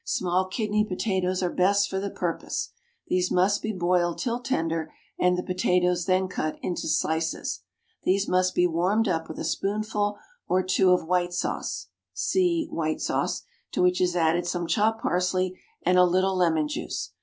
Small kidney potatoes are best for the purpose. These must be boiled till tender, and the potatoes then cut into slices. These must be warmed up with a spoonful or two of white sauce (see WHITE SAUCE), to which is added some chopped parsley and a little lemon juice.